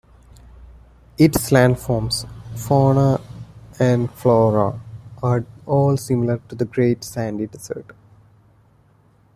Its landforms, fauna and flora are all similar to the Great Sandy Desert.